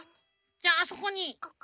じゃああそこに。